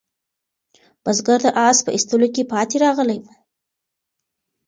بزګر د آس په ایستلو کې پاتې راغلی و.